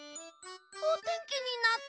おてんきになった。